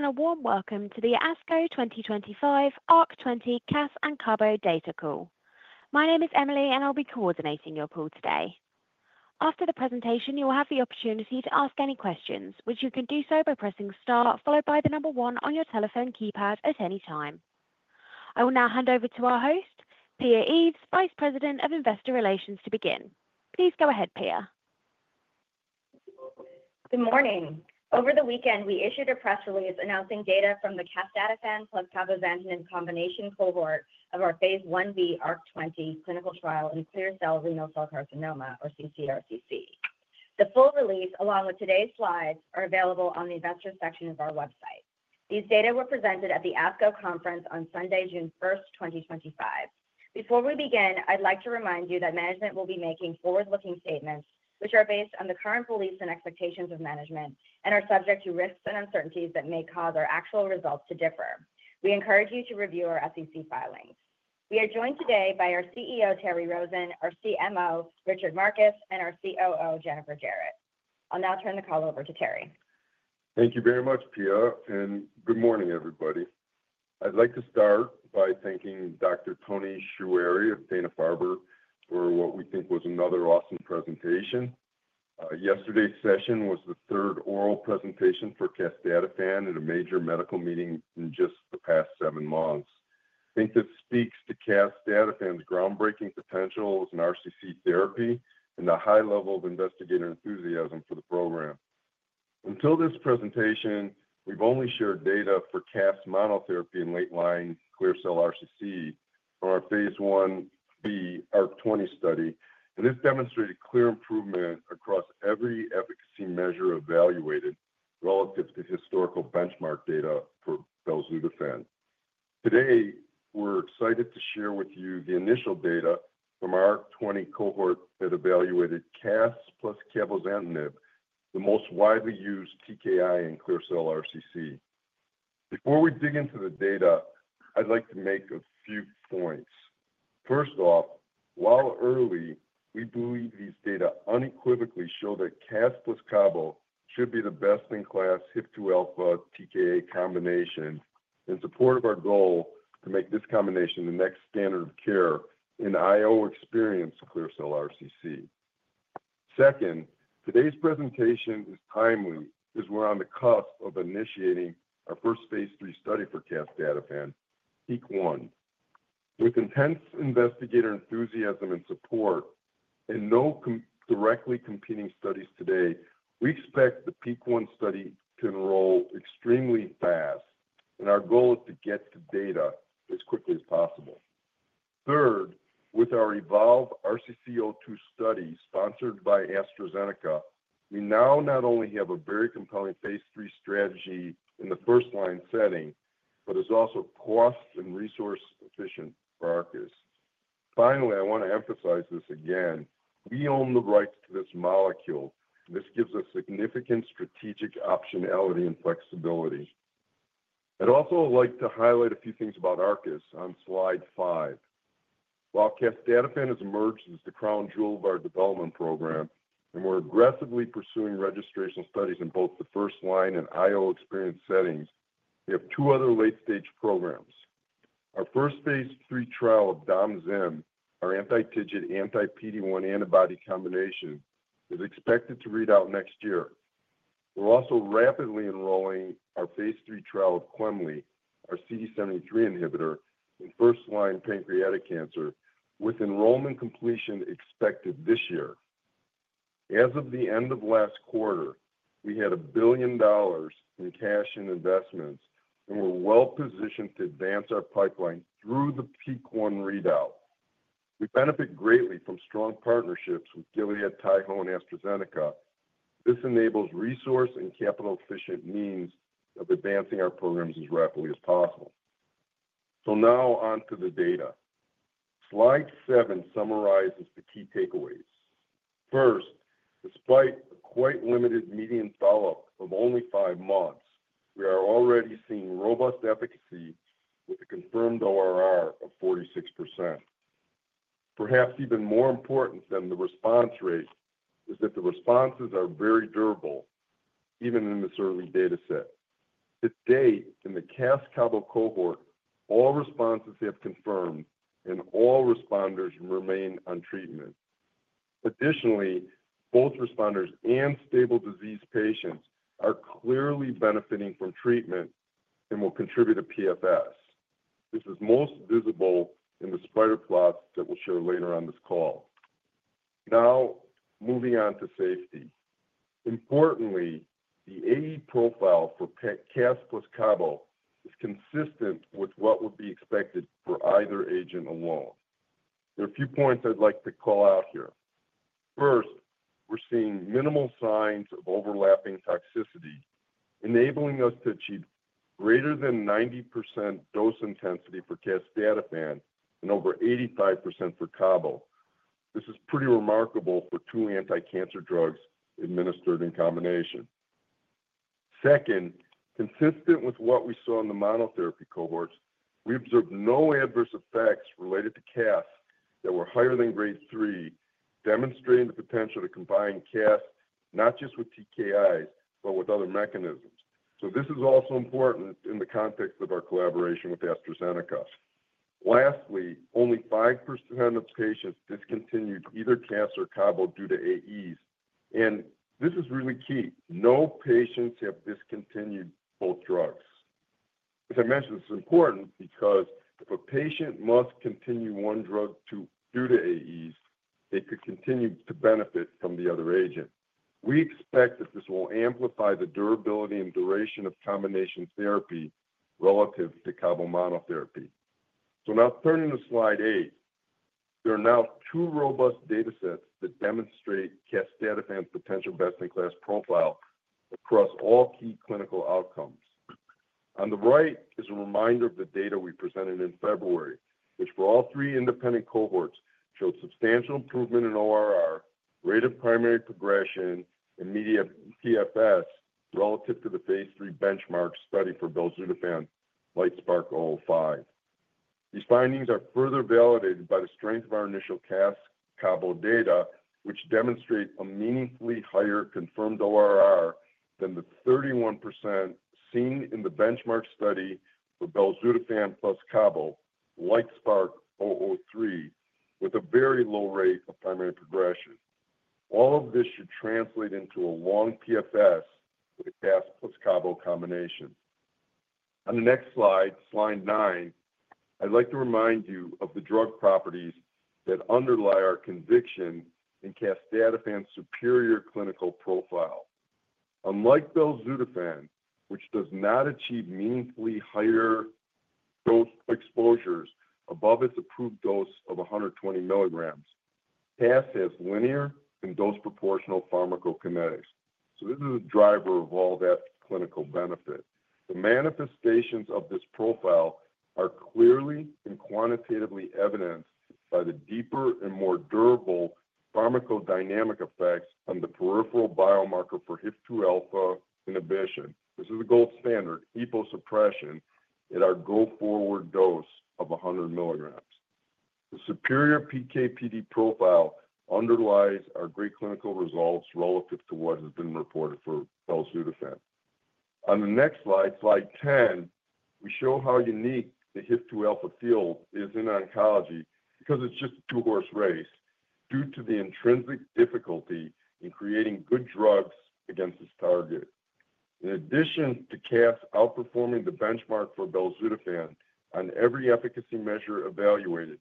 Hello everyone, and a warm welcome to the ASCO 2025 Arc 20 CAS and Carbo data call. My name is Emily, and I'll be coordinating your call today. After the presentation, you will have the opportunity to ask any questions, wch you can do so by pressing star, followed by the number one on your telephone keypad at any time. I will now hand over to our host, Pia Eaves, Vice President of Investor Relations, to begin. Please go ahead, Pia. Good morning. Over the weekend, we issued a press release announcing data from the casdatifan plus cabozantinib in combination cohort of our phase I-B ARC-20 clinical trial in clear cell renal cell carcinoma, or ccRCC. The full release, along with today's slides, are available on the investor section of our website. These data were presented at the ASCO Conference on Sunday, June 1, 2025. Before we begin, I'd like to remind you that management will be making forward-looking statements, which are based on the current beliefs and expectations of management and are subject to risks and uncertainties that may cause our actual results to differ. We encourage you to review our SEC filings. We are joined today by our CEO, Terry Rosen, our CMO, Richard Markus, and our COO, Jennifer Jarrett. I'll now turn the call over to Terry. Thank you very much, Pia, and good morning, everybody. I'd like to start by thanking Dr. Toni Choueiri of Dana-Farber for what we think was another awesome presentation. Yesterday's session was the third oral presentation for casdatifan at a major medical meeting in just the past seven months. I think this speaks to casdatifan's groundbreaking potential as an RCC therapy and the high level of investigator enthusiasm for the program. Until this presentation, we've only shared data for CAS monotherapy in late-line clear cell RCC from our phase I-B ARC-20 study, and this demonstrated clear improvement across every efficacy measure evaluated relative to historical benchmark data for belzutifan. Today, we're excited to share with you the initial data from our ARC-20 cohort that evaluated cas plus cabozantinib, the most widely used TKI in clear cell RCC. Before we dig into the data, I'd like to make a few points. First off, while early, we believe these data unequivocally show that casdatifan plus cabo should be the best-in-class HIF-2αα TKI combination in support of our goal to make this combination the next standard of care in IO-experienced clear cell RCC. Second, today's presentation is timely as we're on the cusp of initiating our first phase III study for casdatifan, PEAK-1. With intense investigator enthusiasm and support and no directly competing studies today, we expect the PEAK-1 study to enroll extremely fast, and our goal is to get the data as quickly as possible. Third, with our eVOLVE RCC02 study sponsored by AstraZeneca, we now not only have a very compelling phase III strategy in the first-line setting, but it's also cost and resource efficient for Arcus. Finally, I want to emphasize this again. We own the rights to this molecule. This gives us significant strategic optionality and flexibility. I'd also like to highlight a few things about Arcus on slide five. While casdatifan has emerged as the crown jewel of our development program and we're aggressively pursuing registration studies in both the first-line and IO experience settings, we have two other late-stage programs. Our first phase III trial of domvanalimab, our anti-TIGIT anti-PD-1 antibody combination, is expected to read out next year. We're also rapidly enrolling our phase III trial of quemli, our CD73 inhibitor in first-line pancreatic cancer, with enrollment completion expected this year. As of the end of last quarter, we had $1 billion in cash and investments, and we're well positioned to advance our pipeline through the PEAK-1 readout. We benefit greatly from strong partnerships with Gilead, Taiho, and AstraZeneca. This enables resource and capital-efficient means of advancing our programs as rapidly as possible. Now on to the data. Slide seven summarizes the key takeaways. First, despite a quite limited median follow-up of only five months, we are already seeing robust efficacy with a confirmed ORR of 46%. Perhaps even more important than the response rate is that the responses are very durable, even in this early data set. To date, in the CAS Carbo cohort, all responses have confirmed, and all responders remain on treatment. Additionally, both responders and stable disease patients are clearly benefiting from treatment and will contribute to PFS. This is most visible in the spider plots that we will share later on this call. Now, moving on to safety. Importantly, the AE profile for CAS plus Carbo is consistent with what would be expected for either agent alone. There are a few points I'd like to call out here. First, we're seeing minimal signs of overlapping toxicity, enabling us to achieve greater than 90% dose intensity for casdatifan and over 85% for cabo. This is pretty remarkable for two anti-cancer drugs administered in combination. Second, consistent with what we saw in the monotherapy cohorts, we observed no adverse events related to casdatifan that were higher than grade three, demonstrating the potential to combine casdatifan not just with TKIs, but with other mechanisms. This is also important in the context of our collaboration with AstraZeneca. Lastly, only 5% of patients discontinued either casdatifan or cabo due to AEs. This is really key. No patients have discontinued both drugs. As I mentioned, this is important because if a patient must discontinue one drug due to AEs, they could continue to benefit from the other agent. We expect that this will amplify the durability and duration of combination therapy relative to cabo monotherapy. Now turning to slide eight, there are now two robust data sets that demonstrate casdatifan's potential best-in-class profile across all key clinical outcomes. On the right is a reminder of the data we presented in February, which for all three independent cohorts showed substantial improvement in ORR, rate of primary progression, and median PFS relative to the phase III benchmark study for belzutifan LITESPARK-005. These findings are further validated by the strength of our initial cas-cabo data, which demonstrate a meaningfully higher confirmed ORR than the 31% seen in the benchmark study for belzutifan plus cabo LITESPARK-003, with a very low rate of primary progression. All of this should translate into a long PFS with cas plus cabo combination. On the next slide, slide nine, I'd like to remind you of the drug properties that underlie our conviction in casdatifan's superior clinical profile. Unlike belzutifan, which does not achieve meaningfully higher dose exposures above its approved dose of 120 milligrams, casdatifan has linear and dose-proportional pharmacokinetics. This is a driver of all that clinical benefit. The manifestations of this profile are clearly and quantitatively evidenced by the deeper and more durable pharmacodynamic effects on the peripheral biomarker for HIF-2α inhibition. This is the gold standard. Hyposuppression at our goal forward dose of 100 milligrams. The superior PK/PD profile underlies our great clinical results relative to what has been reported for belzutifan. On the next slide, slide 10, we show how unique the HIF-2α field is in oncology because it's just a two-horse race due to the intrinsic difficulty in creating good drugs against this target. In addition to CAS outperforming the benchmark for belzutifan on every efficacy measure evaluated,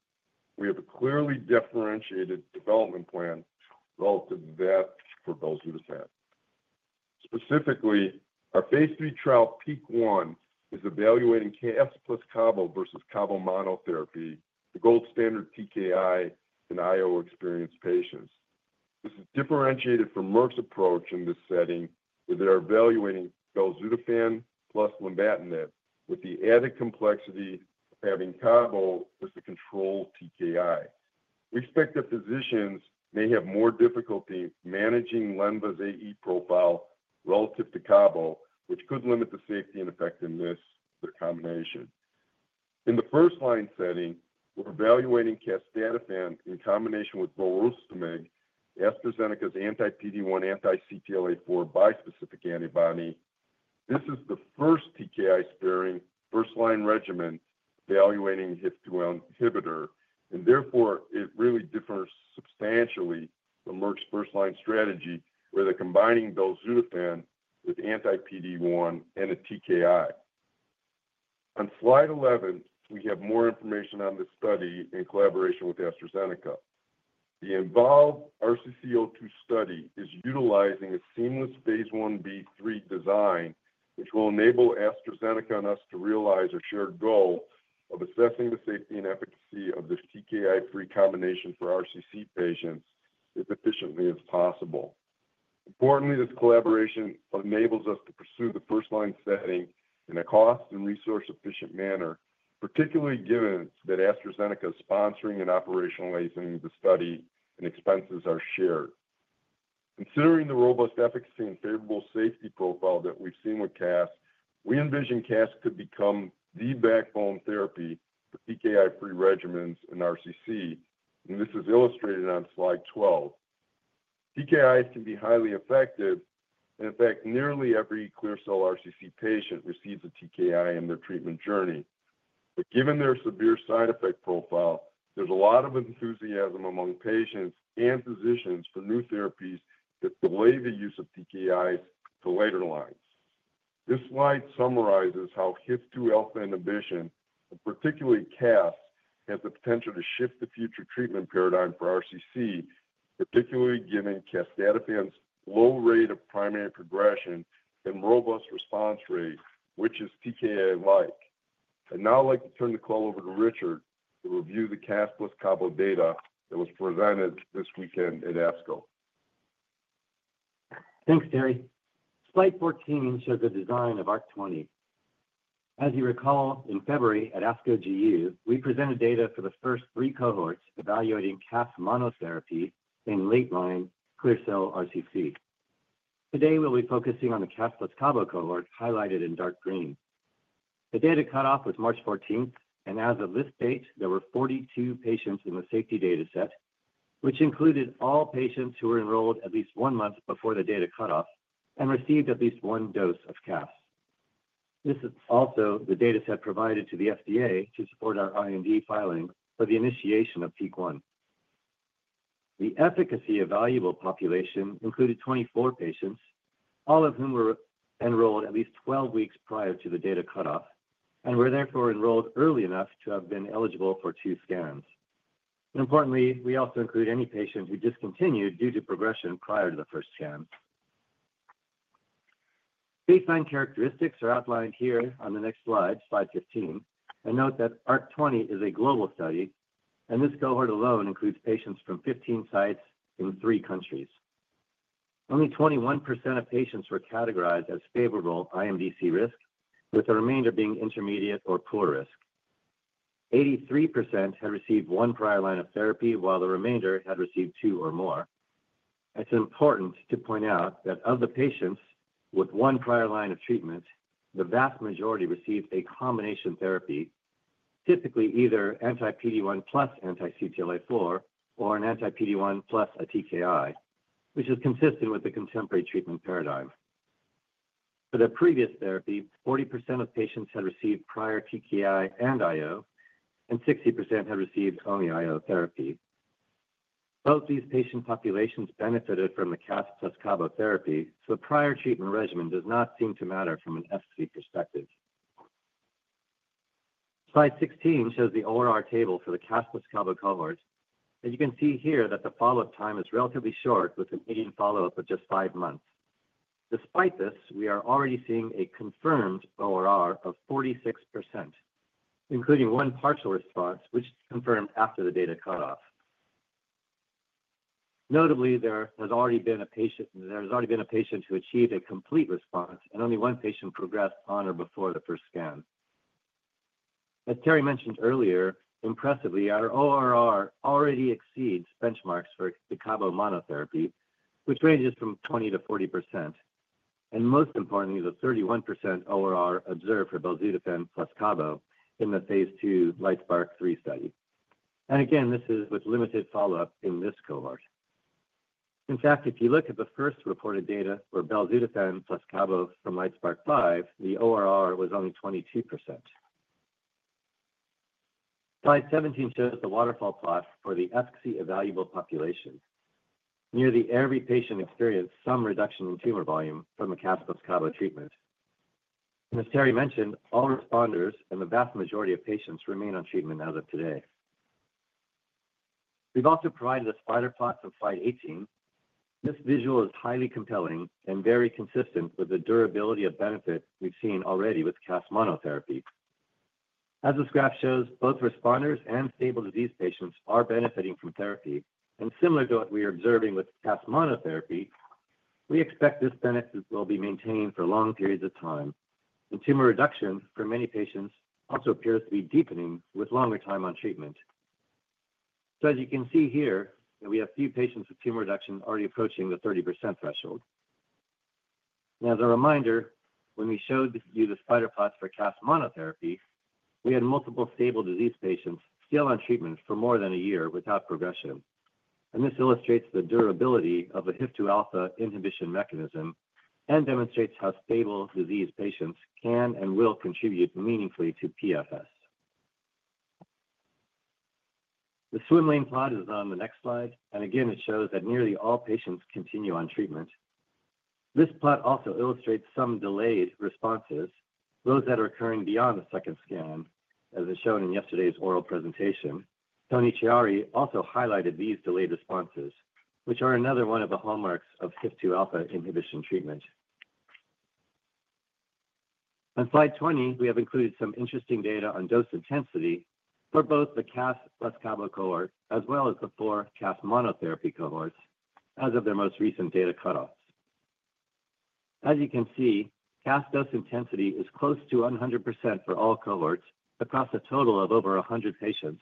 we have a clearly differentiated development plan relative to that for belzutifan. Specifically, our phase III trial PEAK-1 is evaluating CAS plus cabo versus cabo monotherapy, the gold standard TKI in IO-experienced patients. This is differentiated from Merck's approach in this setting, where they are evaluating belzutifan plus lenvatinib with the added complexity of having cabo as the control TKI. We expect that physicians may have more difficulty managing lenva's AE profile relative to cabo, which could limit the safety and effectiveness of their combination. In the first-line setting, we're evaluating casdatifan in combination with volrustomig, AstraZeneca's anti-PD-1/anti-CTLA-4 bispecific antibody. This is the first TKI-sparing first-line regimen evaluating HIF-2α inhibitor, and therefore it really differs substantially from Merck's first-line strategy, where they're combining belzutifan with anti-PD-1 and a TKI. On slide 11, we have more information on this study in collaboration with AstraZeneca. The eVOLVE-RCC02 study is utilizing a seamless phase I-B/III design, which will enable AstraZeneca and us to realize our shared goal of assessing the safety and efficacy of this TKI-free combination for RCC patients as efficiently as possible. Importantly, this collaboration enables us to pursue the first-line setting in a cost and resource-efficient manner, particularly given that AstraZeneca is sponsoring and operationalizing the study and expenses are shared. Considering the robust efficacy and favorable safety profile that we've seen with CAS, we envision CAS could become the backbone therapy for TKI-free regimens in RCC, and this is illustrated on slide 12. TKIs can be highly effective, and in fact, nearly every clear cell RCC patient receives a TKI in their treatment journey. Given their severe side effect profile, there's a lot of enthusiasm among patients and physicians for new therapies that delay the use of TKIs to later lines. This slide summarizes how HIF-2α inhibition, and particularly casdatifan, has the potential to shift the future treatment paradigm for RCC, particularly given casdatifan's low rate of primary progression and robust response rate, which is TKI-like. I'd now like to turn the call over to Richard to review the casdatifan plus cabo data that was presented this weekend at ASCO. Thanks, Terry. Slide 14 shows the design of ARC-20. As you recall, in February at ASCO GU, we presented data for the first three cohorts evaluating CAS monotherapy in late-line clear cell RCC. Today, we'll be focusing on the CAS plus Carbo cohort highlighted in dark green. The data cut off was March 14, and as of this date, there were 42 patients in the safety data set, which included all patients who were enrolled at least one month before the data cut off and received at least one dose of CAS. This is also the data set provided to the FDA to support our IND filing for the initiation of PEAK-1. The efficacy evaluable population included 24 patients, all of whom were enrolled at least 12 weeks prior to the data cut off and were therefore enrolled early enough to have been eligible for two scans. Importantly, we also include any patient who discontinued due to progression prior to the first scan. Baseline characteristics are outlined here on the next slide, slide 15. I note that ARC-20 is a global study, and this cohort alone includes patients from 15 sites in three countries. Only 21% of patients were categorized as favorable IMDC risk, with the remainder being intermediate or poor risk. 83% had received one prior line of therapy, while the remainder had received two or more. It's important to point out that of the patients with one prior line of treatment, the vast majority received a combination therapy, typically either anti-PD-1 plus anti-CTLA-4 or an anti-PD-1 plus a TKI, which is consistent with the contemporary treatment paradigm. For the previous therapy, 40% of patients had received prior TKI and IO, and 60% had received only IO therapy. Both these patient populations benefited from the CAS plus Carbo therapy, so prior treatment regimen does not seem to matter from an efficacy perspective. Slide 16 shows the ORR table for the CAS plus Carbo cohort. As you can see here, the follow-up time is relatively short, with a median follow-up of just five months. Despite this, we are already seeing a confirmed ORR of 46%, including one partial response, which is confirmed after the data cut off. Notably, there has already been a patient who achieved a complete response, and only one patient progressed on or before the first scan. As Terry mentioned earlier, impressively, our ORR already exceeds benchmarks for the Carbo monotherapy, which ranges from 20%-40%. Most importantly, the 31% ORR observed for belzutifan plus Carbo in the phase II LITESPARK-003 study. Again, this is with limited follow-up in this cohort. In fact, if you look at the first reported data for belzutifan plus cabo from LITESPARK-005, the ORR was only 22%. Slide 17 shows the waterfall plot for the efficacy evaluable population. Nearly every patient experienced some reduction in tumor volume from the casdatifan plus cabo treatment. As Terry mentioned, all responders and the vast majority of patients remain on treatment as of today. We have also provided a spider plot from slide 18. This visual is highly compelling and very consistent with the durability of benefit we have seen already with casdatifan monotherapy. As the graph shows, both responders and stable disease patients are benefiting from therapy. Similar to what we are observing with casdatifan monotherapy, we expect this benefit will be maintained for long periods of time. Tumor reduction for many patients also appears to be deepening with longer time on treatment. As you can see here, we have few patients with tumor reduction already approaching the 30% threshold. Now, as a reminder, when we showed you the spider plots for casdatifan monotherapy, we had multiple stable disease patients still on treatment for more than a year without progression. This illustrates the durability of the HIF-2α inhibition mechanism and demonstrates how stable disease patients can and will contribute meaningfully to PFS. The swimlane plot is on the next slide. Again, it shows that nearly all patients continue on treatment. This plot also illustrates some delayed responses, those that are occurring beyond the second scan, as is shown in yesterday's oral presentation. Toni Choueiri also highlighted these delayed responses, which are another one of the hallmarks of HIF-2α inhibition treatment. On slide 20, we have included some interesting data on dose intensity for both the CAS plus Carbo cohort as well as the four CAS monotherapy cohorts as of their most recent data cutoffs. As you can see, CAS dose intensity is close to 100% for all cohorts across a total of over 100 patients.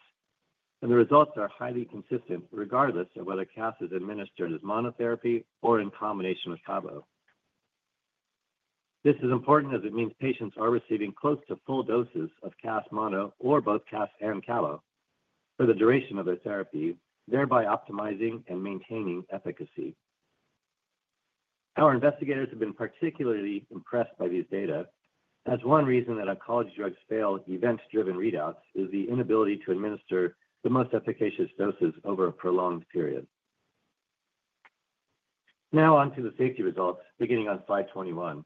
The results are highly consistent regardless of whether CAS is administered as monotherapy or in combination with Carbo. This is important as it means patients are receiving close to full doses of CAS mono or both CAS and Carbo for the duration of their therapy, thereby optimizing and maintaining efficacy. Our investigators have been particularly impressed by these data, as one reason that oncology drugs fail event-driven readouts is the inability to administer the most efficacious doses over a prolonged period. Now on to the safety results, beginning on slide 21.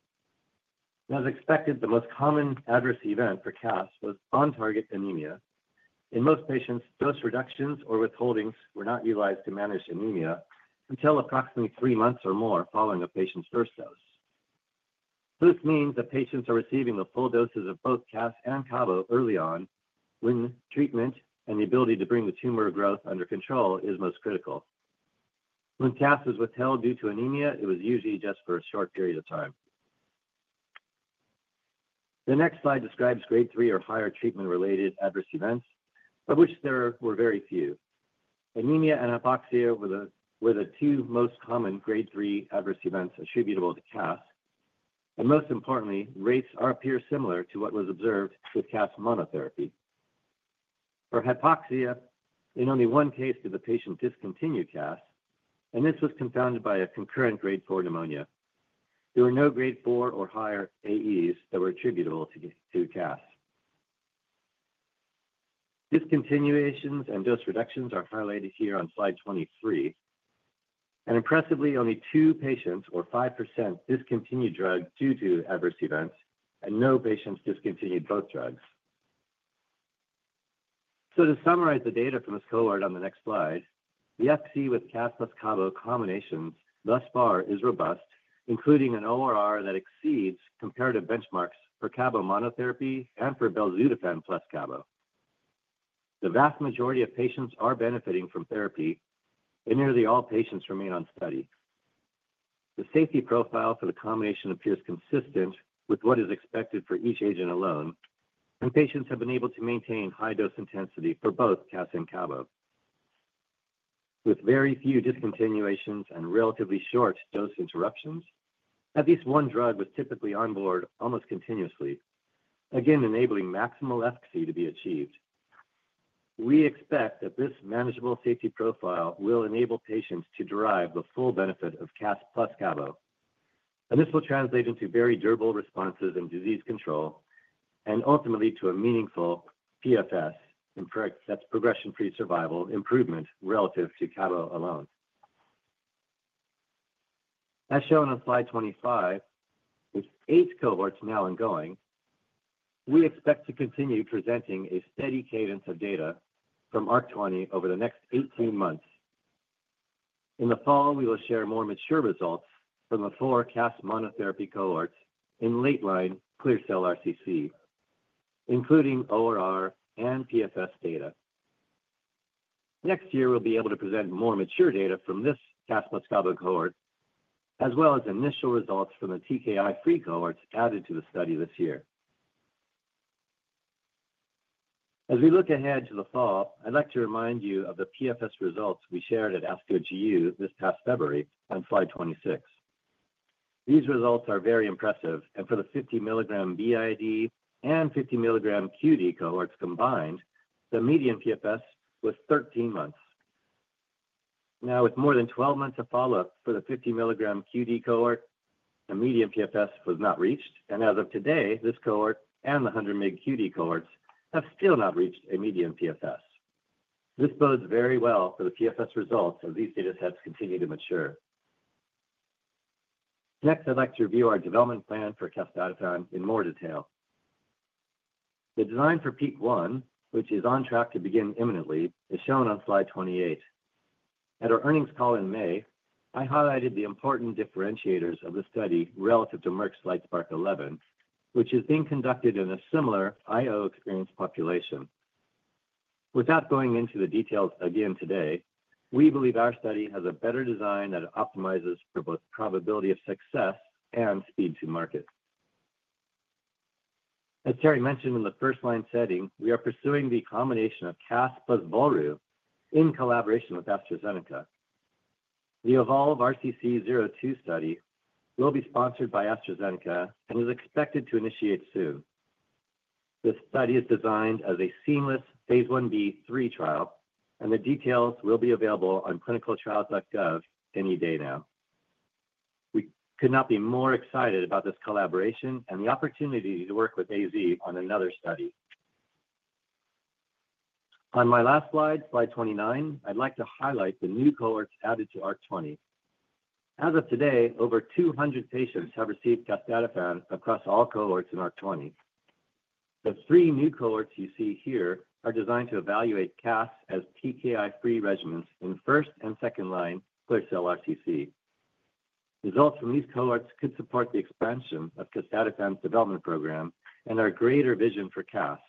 As expected, the most common adverse event for CAS was on-target anemia. In most patients, dose reductions or withholdings were not utilized to manage anemia until approximately three months or more following a patient's first dose. This means that patients are receiving the full doses of both CAS and Carbo early on when treatment and the ability to bring the tumor growth under control is most critical. When CAS was withheld due to anemia, it was usually just for a short period of time. The next slide describes grade 3 or higher treatment-related adverse events, of which there were very few. Anemia and hypoxia were the two most common grade 3 adverse events attributable to CAS. Most importantly, rates appear similar to what was observed with CAS monotherapy. For hypoxia, in only one case, did the patient discontinue CAS, and this was confounded by a concurrent grade 4 pneumonia. There were no grade 4 or higher AEs that were attributable to casdatifan. Discontinuations and dose reductions are highlighted here on slide 23. Impressively, only two patients or 5% discontinued drugs due to adverse events, and no patients discontinued both drugs. To summarize the data from this cohort on the next slide, the efficacy with casdatifan plus cabozantinib combinations thus far is robust, including an ORR that exceeds comparative benchmarks for cabozantinib monotherapy and for belzutifan plus cabozantinib. The vast majority of patients are benefiting from therapy, and nearly all patients remain on study. The safety profile for the combination appears consistent with what is expected for each agent alone, and patients have been able to maintain high dose intensity for both casdatifan and cabozantinib. With very few discontinuations and relatively short dose interruptions, at least one drug was typically on board almost continuously, again enabling maximal efficacy to be achieved. We expect that this manageable safety profile will enable patients to derive the full benefit of CAS plus Carbo. This will translate into very durable responses in disease control and ultimately to a meaningful PFS, that's progression-free survival improvement relative to Carbo alone. As shown on slide 25, with eight cohorts now ongoing, we expect to continue presenting a steady cadence of data from ARC-20 over the next 18 months. In the fall, we will share more mature results from the four CAS monotherapy cohorts in late-line clear cell RCC, including ORR and PFS data. Next year, we'll be able to present more mature data from this CAS plus Carbo cohort, as well as initial results from the TKI-free cohorts added to the study this year. As we look ahead to the fall, I'd like to remind you of the PFS results we shared at ASCO GU this past February on slide 26. These results are very impressive. For the 50 milligram BID and 50 milligram QD cohorts combined, the median PFS was 13 months. Now, with more than 12 months of follow-up for the 50 milligram QD cohort, the median PFS was not reached. As of today, this cohort and the 100 milligram QD cohorts have still not reached a median PFS. This bodes very well for the PFS results as these data sets continue to mature. Next, I'd like to review our development plan for casdatifan in more detail. The design for PEAK-1, which is on track to begin imminently, is shown on slide 28. At our earnings call in May, I highlighted the important differentiators of the study relative to Merck's LITESPARK-011, which is being conducted in a similar IO experienced population. Without going into the details again today, we believe our study has a better design that optimizes for both probability of success and speed to market. As Terry mentioned in the first line setting, we are pursuing the combination of CAS plus volru in collaboration with AstraZeneca. The eVOLVE-RCC02 study will be sponsored by AstraZeneca and is expected to initiate soon. This study is designed as a seamless phase I-B/III trial, and the details will be available on clinicaltrials.gov any day now. We could not be more excited about this collaboration and the opportunity to work with AZ on another study. On my last slide, slide 29, I'd like to highlight the new cohorts added to ARC-20. As of today, over 200 patients have received casdatifan across all cohorts in ARC-20. The three new cohorts you see here are designed to evaluate CAS as TKI-free regimens in first and second line clear cell RCC. Results from these cohorts could support the expansion of casdatifan's development program and our greater vision for CAS,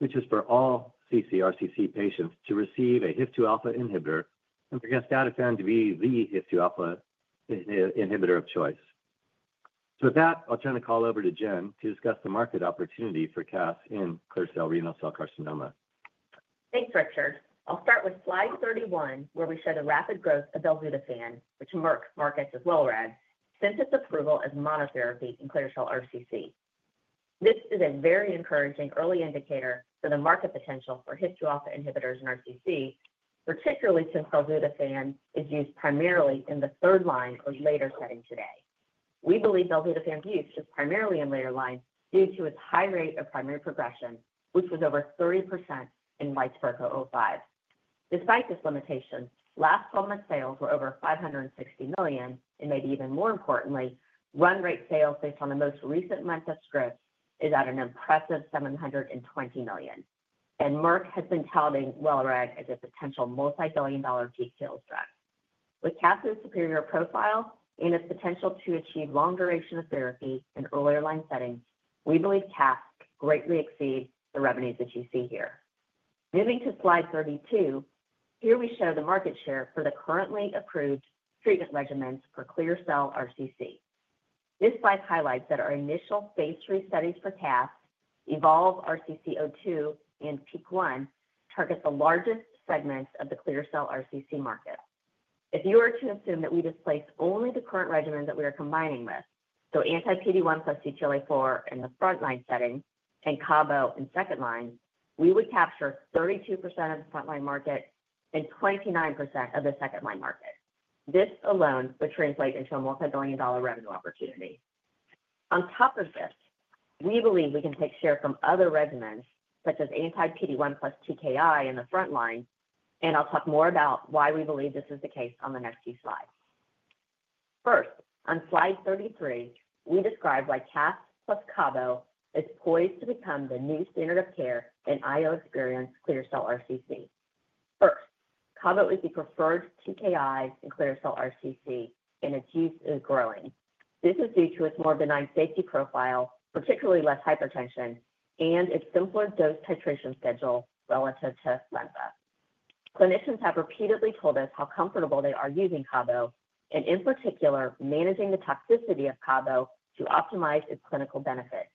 which is for all ccRCC patients to receive a HIF-2α inhibitor and for casdatifan to be the HIF-2α inhibitor of choice. With that, I'll turn the call over to Jen to discuss the market opportunity for CAS in clear cell renal cell carcinoma. Thanks, Richard. I'll start with slide 31, where we show the rapid growth of belzutifan, which Merck markets as well, since its approval as monotherapy in clear cell RCC. This is a very encouraging early indicator for the market potential for HIF-2α inhibitors in RCC, particularly since belzutifan is used primarily in the third line or later setting today. We believe belzutifan's use is primarily in later line due to its high rate of primary progression, which was over 30% in LITESPARK-005. Despite this limitation, last 12 months' sales were over $560 million. Maybe even more importantly, run rate sales based on the most recent month of scripts is at an impressive $720 million. Merck has been touting belzutifan as a potential multi-billion dollar peak sales track. With casdatifan's superior profile and its potential to achieve long duration of therapy in earlier line settings, we believe casdatifan greatly exceeds the revenues that you see here. Moving to slide 32, here we show the market share for the currently approved treatment regimens for clear cell RCC. This slide highlights that our initial phase III studies for CAS, eVOLVE-RCC02, and PEAK-1 target the largest segments of the clear cell RCC market. If you were to assume that we displace only the current regimens that we are combining with, so anti-PD-1 plus CTLA-4 in the front line setting and Carbo in second line, we would capture 32% of the front line market and 29% of the second line market. This alone would translate into a multi-billion dollar revenue opportunity. On top of this, we believe we can take share from other regimens such as anti-PD-1 plus TKI in the front line. I will talk more about why we believe this is the case on the next few slides. First, on slide 33, we describe why CAS plus Carbo is poised to become the new standard of care in IO experienced clear cell RCC. First, cabozantinib is the preferred TKI in clear cell RCC, and its use is growing. This is due to its more benign safety profile, particularly less hypertension, and its simpler dose titration schedule relative to lenvatinib. Clinicians have repeatedly told us how comfortable they are using cabozantinib and, in particular, managing the toxicity of cabozantinib to optimize its clinical benefit.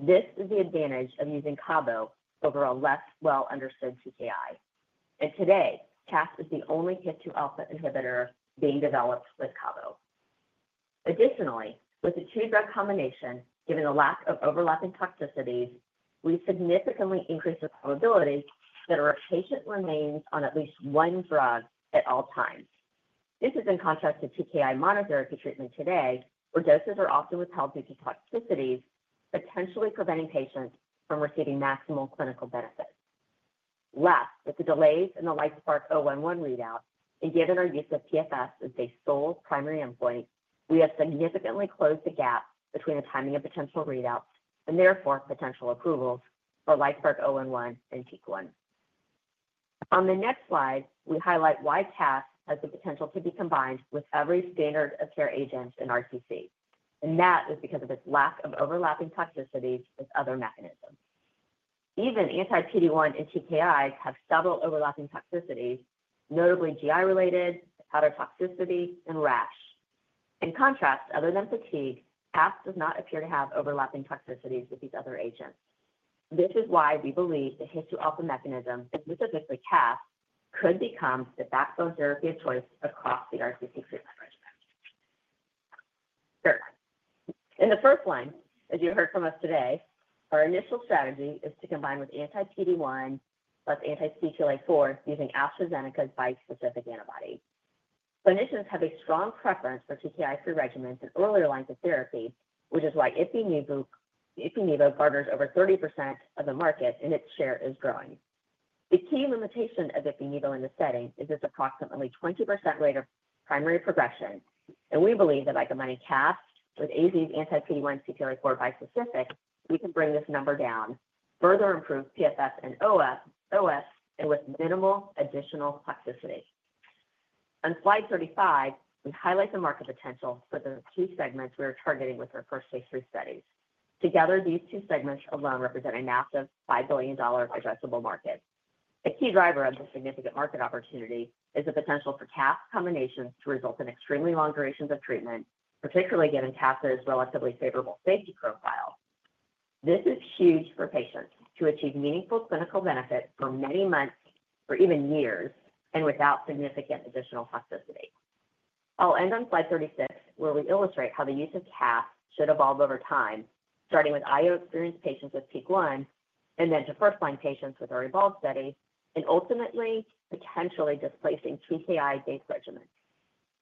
This is the advantage of using cabozantinib over a less well-understood TKI. Today, casdatifan is the only HIF-2α inhibitor being developed with cabozantinib. Additionally, with the two drug combination, given the lack of overlapping toxicities, we significantly increase the probability that a patient remains on at least one drug at all times. This is in contrast to TKI monotherapy treatment today, where doses are often withheld due to toxicities, potentially preventing patients from receiving maximal clinical benefit. Last, with the delays in the LITESPARK-011 readout and given our use of PFS as a sole primary endpoint, we have significantly closed the gap between the timing of potential readouts and therefore potential approvals for LITESPARK-011 and PEAK-1. On the next slide, we highlight why CAS has the potential to be combined with every standard of care agent in RCC. That is because of its lack of overlapping toxicities with other mechanisms. Even anti-PD-1 and TKI have several overlapping toxicities, notably GI-related, hepatotoxicity, and rash. In contrast, other than fatigue, CAS does not appear to have overlapping toxicities with these other agents. This is why we believe the HIF-2α mechanism, specifically CAS, could become the backbone therapy of choice across the RCC treatment regimen. In the first line, as you heard from us today, our initial strategy is to combine with anti-PD-1 plus anti-CTLA-4 using AstraZeneca's bispecific antibody. Clinicians have a strong preference for TKI-free regimens in earlier lines of therapy, which is why IpiNivo garners over 30% of the market and its share is growing. The key limitation of IpiNivo in this setting is its approximately 20% rate of primary progression. We believe that by combining CAS with AZ's anti-PD-1 CTLA-4 bispecific, we can bring this number down, further improve PFS and OS, and with minimal additional toxicity. On slide 35, we highlight the market potential for the two segments we are targeting with our first phase III studies. Together, these two segments alone represent a massive $5 billion addressable market. A key driver of this significant market opportunity is the potential for CAS combinations to result in extremely long durations of treatment, particularly given CAS's relatively favorable safety profile. This is huge for patients to achieve meaningful clinical benefit for many months or even years and without significant additional toxicity. I'll end on slide 36, where we illustrate how the use of CAS should evolve over time, starting with IO experienced patients with PEAK-1, and then to first line patients with our Evolve study, and ultimately potentially displacing TKI-based regimens.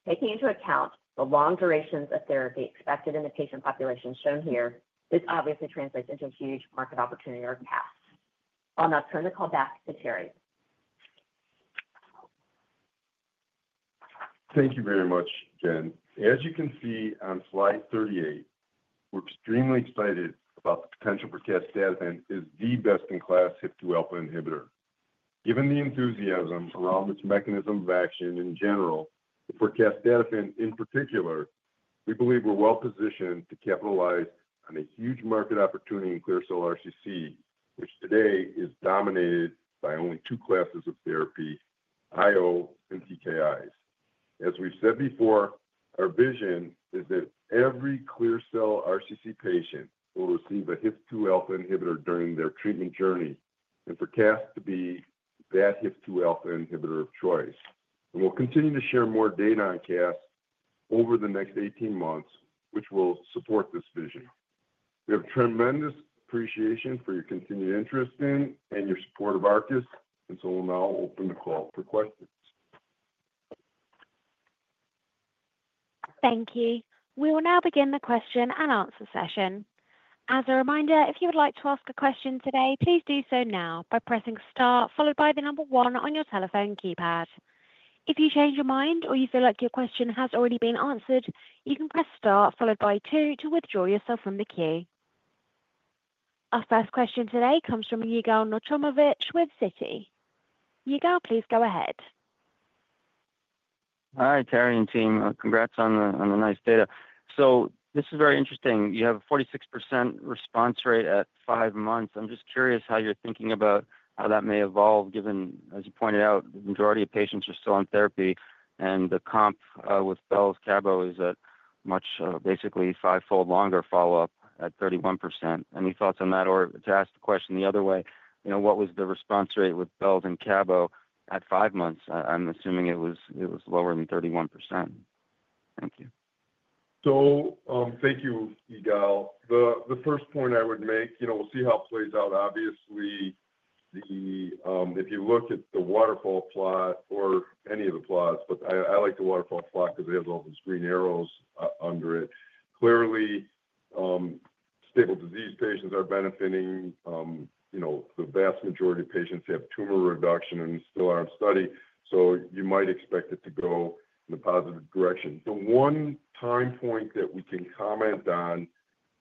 Taking into account the long durations of therapy expected in the patient population shown here, this obviously translates into a huge market opportunity for CAS. I'll now turn the call back to Terry. Thank you very much, Jen. As you can see on slide 38, we're extremely excited about the potential for casdatifan as the best-in-class HIF-2α inhibitor. Given the enthusiasm around this mechanism of action in general, and for casdatifan in particular, we believe we're well positioned to capitalize on a huge market opportunity in clear cell RCC, which today is dominated by only two classes of therapy, IO and TKIs. As we've said before, our vision is that every clear cell RCC patient will receive a HIF-2α inhibitor during their treatment journey and for casdatifan to be that HIF-2α inhibitor of choice. We will continue to share more data on casdatifan over the next 18 months, which will support this vision. We have tremendous appreciation for your continued interest in and your support of Arcus, and we will now open the call for questions. Thank you. We will now begin the question and answer session. As a reminder, if you would like to ask a question today, please do so now by pressing star followed by the number one on your telephone keypad. If you change your mind or you feel like your question has already been answered, you can press star followed by two to withdraw yourself from the queue. Our first question today comes from Yigal Nochomovitz with Citi. Yigal, please go ahead. Hi, Terry and team. Congrats on the nice data. This is very interesting. You have a 46% response rate at five months. I'm just curious how you're thinking about how that may evolve given, as you pointed out, the majority of patients are still on therapy and the comp with belzutifan and cabozantinib is at much, basically five-fold longer follow-up at 31%. Any thoughts on that or to ask the question the other way, what was the response rate with belzutifan and cabozantinib at five months? I'm assuming it was lower than 31%. Thank you. Thank you, Yigal. The first point I would make, we'll see how it plays out. Obviously, if you look at the waterfall plot or any of the plots, but I like the waterfall plot because it has all those green arrows under it. Clearly, stable disease patients are benefiting. The vast majority of patients have tumor reduction and still aren't studied. You might expect it to go in the positive direction. The one time point that we can comment on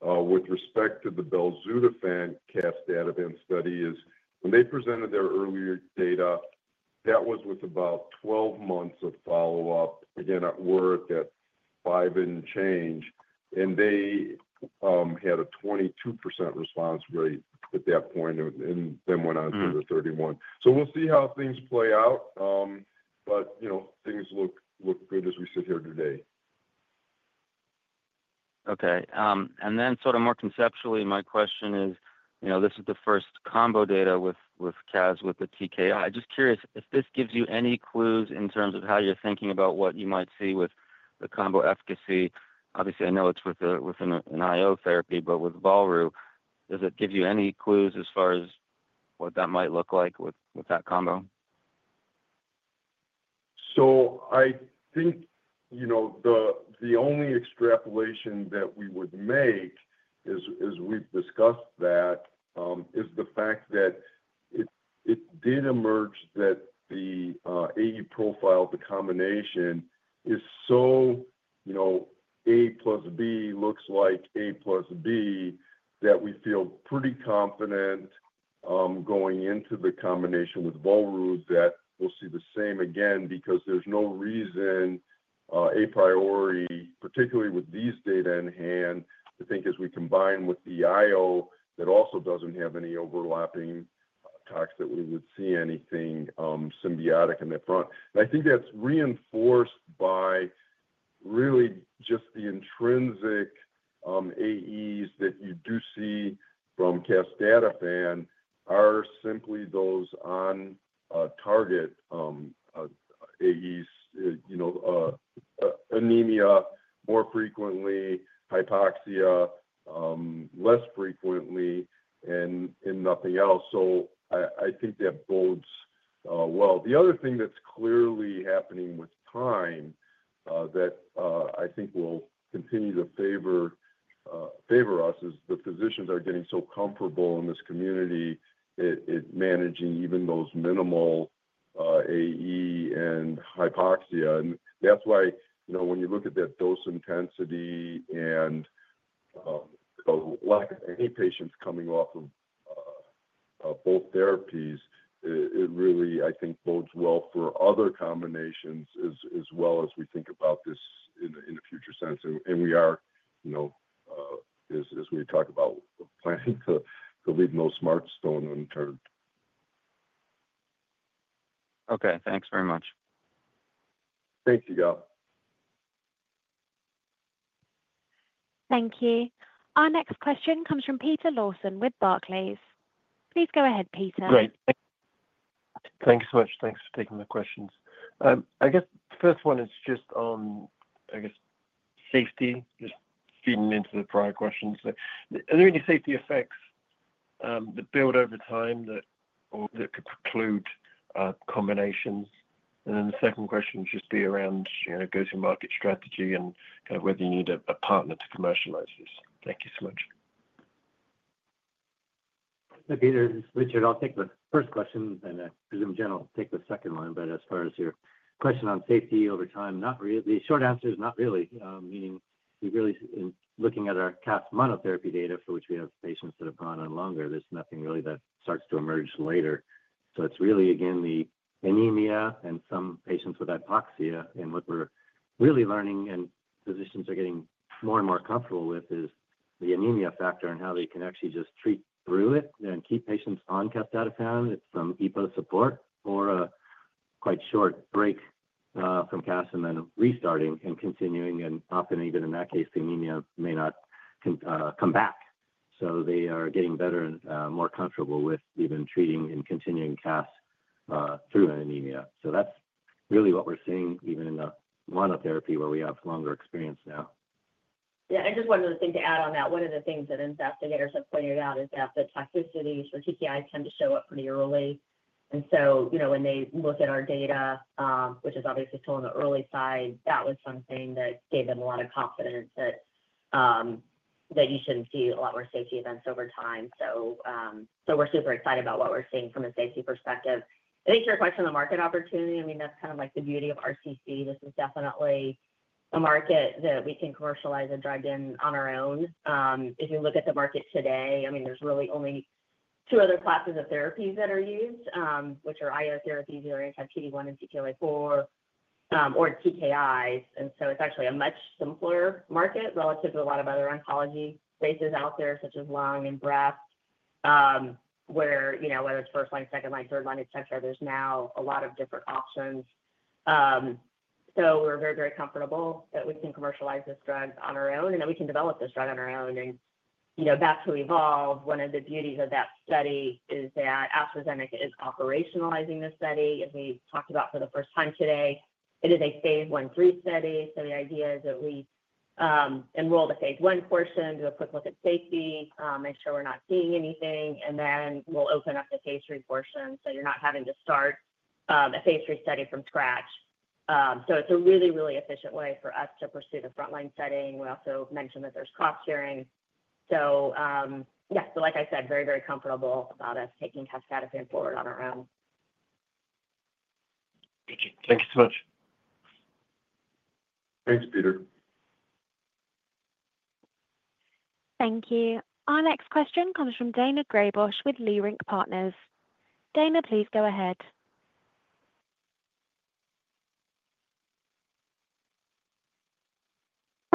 with respect to the belzutifan-cabozantinib study is when they presented their earlier data, that was with about 12 months of follow-up, again, at work at five and change. They had a 22% response rate at that point and then went on to the 31%. We will see how things play out, but things look good as we sit here today. Okay. Sort of more conceptually, my question is, this is the first combo data with casdatifan with the TKI. Just curious if this gives you any clues in terms of how you are thinking about what you might see with the combo efficacy. Obviously, I know it is within an IO therapy, but with volru, does it give you any clues as far as what that might look like with that combo? I think the only extrapolation that we would make as we've discussed is the fact that it did emerge that the AU profile, the combination, is so A plus B looks like A plus B that we feel pretty confident going into the combination with volru that we'll see the same again because there's no reason a priori, particularly with these data in hand, to think as we combine with the IO that also does not have any overlapping toxicity, we would see anything symbiotic in the front. I think that's reinforced by really just the intrinsic AEs that you do see from casdatifan are simply those on-target AEs, anemia more frequently, hypoxia less frequently, and nothing else. I think that bodes well. The other thing that's clearly happening with time that I think will continue to favor us is the physicians are getting so comfortable in this community in managing even those minimal AE and hypoxia. That's why when you look at that dose intensity and the lack of any patients coming off of both therapies, it really, I think, bodes well for other combinations as well as we think about this in a future sense. We are, as we talk about, planning to leave no smart stone unturned. Okay. Thanks very much. Thanks, Yigal. Thank you. Our next question comes from Peter Lawson with Barclays. Please go ahead, Peter. Great. Thank you so much. Thanks for taking my questions. I guess the first one is just on, I guess, safety, just feeding into the prior questions. Are there any safety effects that build over time that could preclude combinations? The second question would just be around go to market strategy and kind of whether you need a partner to commercialize this. Thank you so much. Hi, Peter. This is Richard. I'll take the first question and I presume Jen will take the second one. As far as your question on safety over time, the short answer is not really, meaning we really are looking at our CAS monotherapy data for which we have patients that have gone on longer. There is nothing really that starts to emerge later. It is really, again, the anemia and some patients with hypoxia. What we are really learning and physicians are getting more and more comfortable with is the anemia factor and how they can actually just treat through it and keep patients on casdatifan. It is some EPO support or a quite short break from CAS and then restarting and continuing. Often, even in that case, the anemia may not come back. They are getting better and more comfortable with even treating and continuing casdatifan through an anemia. That is really what we are seeing even in the monotherapy where we have longer experience now. Yeah. Just one other thing to add on that. One of the things that investigators have pointed out is that the toxicities for TKI tend to show up pretty early. When they look at our data, which is obviously still on the early side, that was something that gave them a lot of confidence that you should not see a lot more safety events over time. We are super excited about what we are seeing from a safety perspective. I think to your question on the market opportunity, I mean, that is kind of like the beauty of RCC. This is definitely a market that we can commercialize and drive in on our own. If you look at the market today, I mean, there's really only two other classes of therapies that are used, which are IO therapies, either anti-PD-1 and CTLA-4 or TKIs. It's actually a much simpler market relative to a lot of other oncology spaces out there, such as lung and breast, where whether it's first line, second line, third line, etc., there's now a lot of different options. We are very, very comfortable that we can commercialize this drug on our own and that we can develop this drug on our own. Back to Evolve, one of the beauties of that study is that AstraZeneca is operationalizing this study. As we talked about for the first time today, it is a phase I-III study. The idea is that we enroll the phase I portion, do a quick look at safety, make sure we're not seeing anything, and then we'll open up the phase III portion so you're not having to start a phase III study from scratch. It's a really, really efficient way for us to pursue the front line setting. We also mentioned that there's cost sharing. Like I said, very, very comfortable about us taking casdatifan forward on our own. Gotcha. Thank you so much. Thanks, Peter. Thank you. Our next question comes from Daina Graybosch with Leerink Partners. Daina, please go ahead.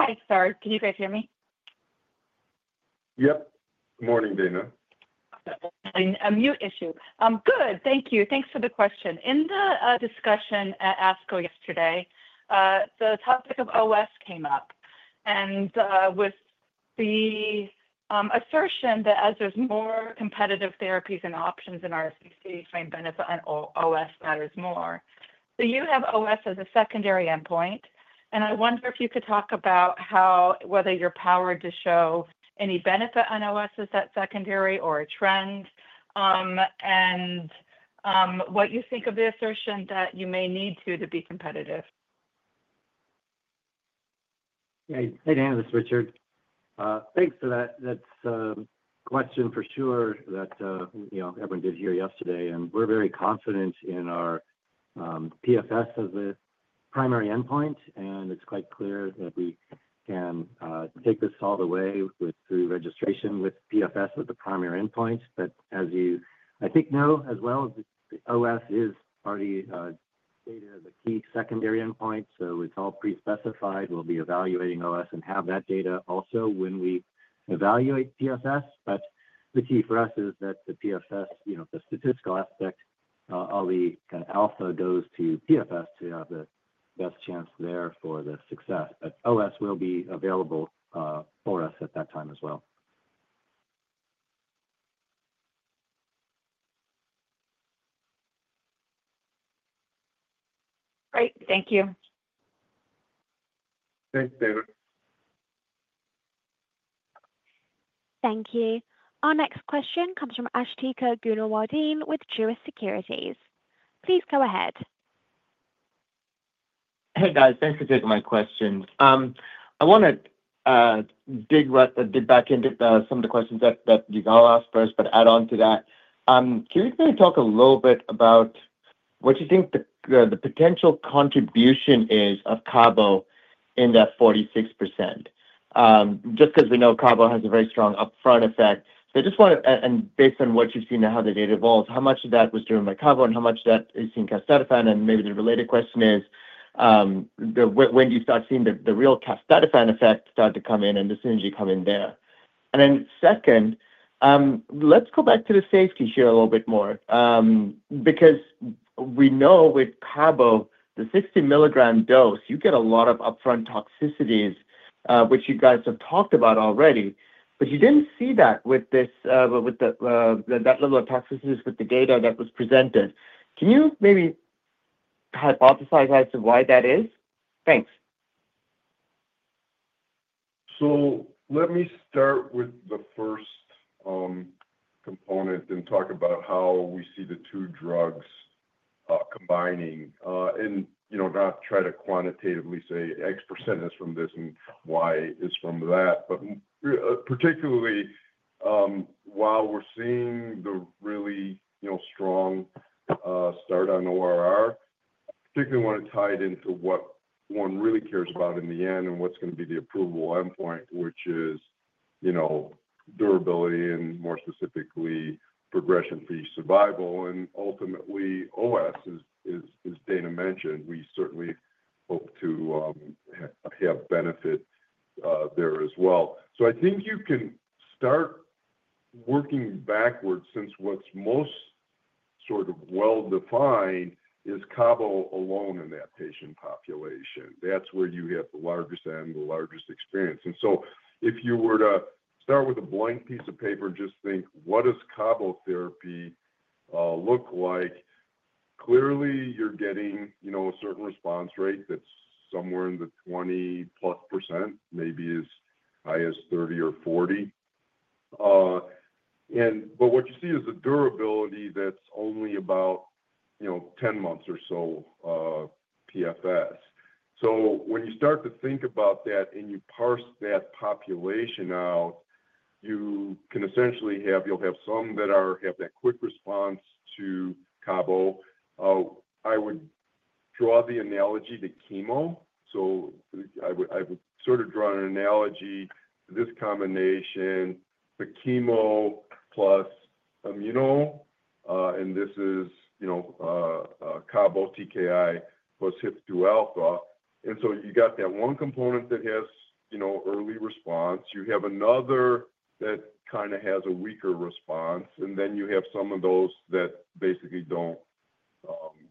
Hi, sorry. Can you guys hear me? Yep. Good morning, Dana. A mute issue. Good. Thank you. Thanks for the question. In the discussion at ASCO yesterday, the topic of OS came up. With the assertion that as there's more competitive therapies and options in RCC, same benefit and OS matters more. You have OS as a secondary endpoint. I wonder if you could talk about whether you're powered to show any benefit on OS as that secondary or a trend and what you think of the assertion that you may need to be competitive. Hey, Daina, this is Richard. Thanks for that. That's a question for sure that everyone did hear yesterday. We're very confident in our PFS as the primary endpoint. It's quite clear that we can take this all the way through registration with PFS as the primary endpoint. As you, I think, know as well, OS is already stated as a key secondary endpoint. It's all pre-specified. We'll be evaluating OS and have that data also when we evaluate PFS. The key for us is that the PFS, the statistical aspect, all the kind of alpha goes to PFS to have the best chance there for the success. OS will be available for us at that time as well. Great. Thank you. Thanks, Daina. Thank you. Our next question comes from Ashtika Goonerwardene with Truist Securities. Please go ahead. Hey, guys. Thanks for taking my question. I want to dig back into some of the questions that Yigor asked first, but add on to that. Can you talk a little bit about what you think the potential contribution is of Cabo in that 46%? Just because we know Cabo has a very strong upfront effect. I just want to, and based on what you've seen and how the data evolves, how much of that was driven by Cabo and how much of that is seen casdatifan. Maybe the related question is, when do you start seeing the real casdatifan effect start to come in and the synergy come in there? Second, let's go back to the safety here a little bit more because we know with cabo, the 60-milligram dose, you get a lot of upfront toxicities, which you guys have talked about already. You did not see that level of toxicities with the data that was presented. Can you maybe hypothesize as to why that is? Thanks. Let me start with the first component and talk about how we see the two drugs combining. I will not try to quantitatively say X % is from this and Y is from that. Particularly, while we're seeing the really strong start on ORR, particularly when it's tied into what one really cares about in the end and what's going to be the approval endpoint, which is durability and more specifically progression-free survival. Ultimately, OS, as Dana mentioned, we certainly hope to have benefit there as well. I think you can start working backwards since what's most sort of well-defined is Cabo alone in that patient population. That's where you have the largest and the largest experience. If you were to start with a blank piece of paper and just think, "What does Cabo therapy look like?" Clearly, you're getting a certain response rate that's somewhere in the 20% plus, maybe as high as 30% or 40%. What you see is a durability that's only about 10 months or so PFS. When you start to think about that and you parse that population out, you can essentially have some that have that quick response to Cabo. I would draw the analogy to chemo. I would sort of draw an analogy to this combination, the chemo plus immuno, and this is Cabo TKI plus HIF-2α. You got that one component that has early response. You have another that kind of has a weaker response. Then you have some of those that basically do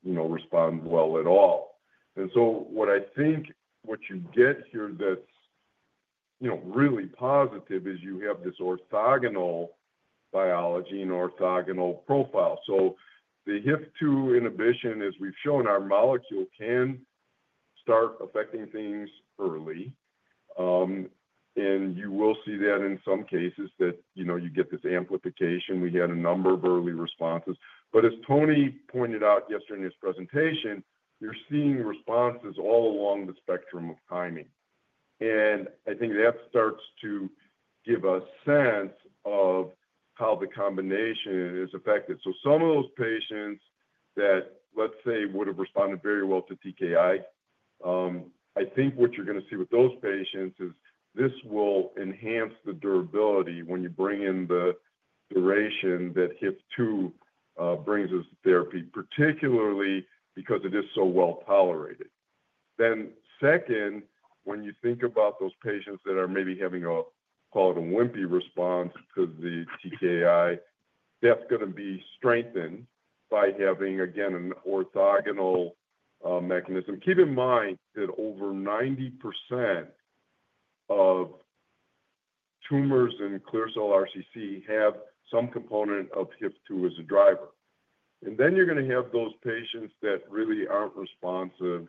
not respond well at all. What I think you get here that is really positive is you have this orthogonal biology and orthogonal profile. The HIF-2 inhibition, as we have shown, our molecule can start affecting things early. You will see that in some cases you get this amplification. We had a number of early responses. As Toni pointed out yesterday in his presentation, you're seeing responses all along the spectrum of timing. I think that starts to give a sense of how the combination is affected. Some of those patients that, let's say, would have responded very well to TKI, I think what you're going to see with those patients is this will enhance the durability when you bring in the duration that HIF-2α brings as therapy, particularly because it is so well tolerated. Second, when you think about those patients that are maybe having a wimpy response to the TKI, that's going to be strengthened by having, again, an orthogonal mechanism. Keep in mind that over 90% of tumors in clear cell RCC have some component of HIF-2α as a driver. You are going to have those patients that really are not responsive